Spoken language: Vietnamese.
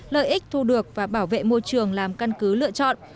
lợi ích thu được và bảo vệ môi trường làm căn cứ lựa chọn